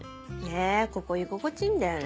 ここ居心地いいんだよね。